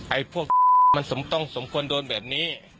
ไอ้พวกมันต้องสมควรโดนแบบนี้